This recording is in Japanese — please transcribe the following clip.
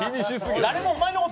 誰もお前のこと